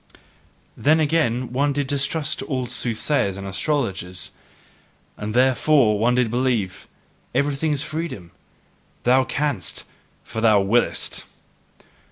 Then again did one distrust all soothsayers and astrologers; and THEREFORE did one believe, "Everything is freedom: thou canst, for thou willest!"